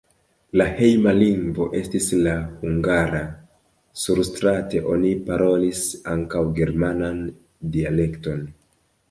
La hejma lingvo estis la hungara, surstrate oni parolis ankaŭ germanan dialekton.